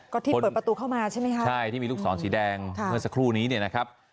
ก็ที่เปิดประตูเข้ามาใช่ไหมคะใช่ที่มีลูกศรสีแดงเมื่อสักครู่นี้เนี่ยนะครับ